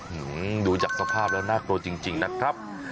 หือหืออยู่จากสภาพแล้วน่ากลัวจริงนะครับ